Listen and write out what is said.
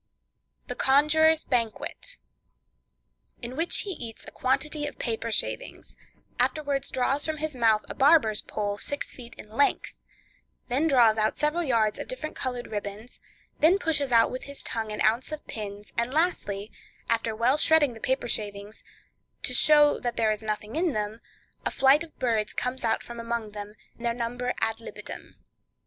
The Conjurer's Banquet.—In which he eats a quantity of paper shavings; afterwards draws from his mouth a barber's pole, six feet in length; then draws out several yards of different colored ribbons; then pushes out with his tongue an ounce of pins; and lastly, after well shredding the paper shavings, to show that there is nothing in them, a flight of birds come out from among them, their number ad libitum.